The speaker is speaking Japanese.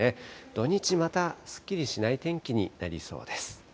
土日、またすっきりしない天気になりそうです。